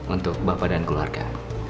untuk bapak dan keluarga